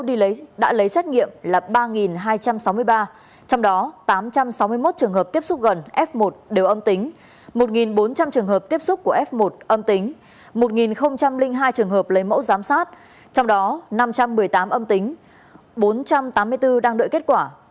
trong đó là ba hai trăm sáu mươi ba trong đó tám trăm sáu mươi một trường hợp tiếp xúc gần f một đều âm tính một bốn trăm linh trường hợp tiếp xúc của f một âm tính một hai trường hợp lấy mẫu giám sát trong đó năm trăm một mươi tám âm tính bốn trăm tám mươi bốn đang đợi kết quả